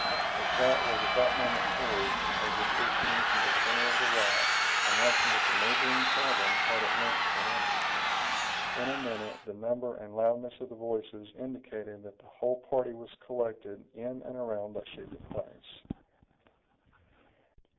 A shout was at that moment heard, as if issuing from the center of the rock, announcing that the neighboring cavern had at length been entered. In a minute, the number and loudness of the voices indicated that the whole party was collected in and around that secret place.